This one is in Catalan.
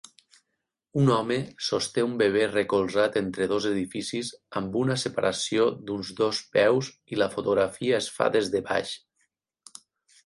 Un home sosté un bebè recolzat entre dos edificis amb una separació d'uns dos peus i la fotografia es fa des de baix.